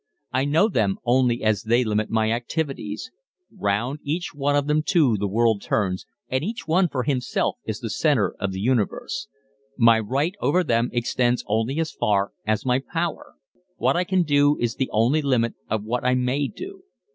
I know them only as they limit my activities. Round each of them too the world turns, and each one for himself is the centre of the universe. My right over them extends only as far as my power. What I can do is the only limit of what I may do.